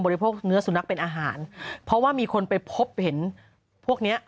โภคเนื้อสุนัขเป็นอาหารเพราะว่ามีคนไปพบเห็นพวกเนี้ย